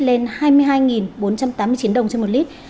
lên hai mươi hai bốn trăm tám mươi chín đồng trên một lít